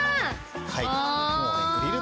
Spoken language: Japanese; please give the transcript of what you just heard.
はい。